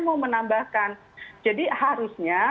mau menambahkan jadi harusnya